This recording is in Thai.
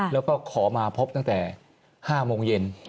แล้วก็ขอมาพบตั้งแต่๕โมงเย็น